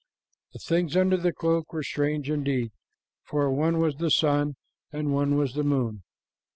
The things under his cloak were strange indeed, for one was the sun, and one was the moon.